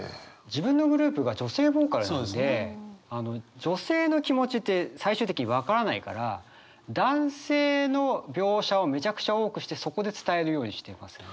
自分のグループが女性ボーカルなんで女性の気持ちって最終的に分からないから男性の描写をめちゃくちゃ多くしてそこで伝えるようにしてますね。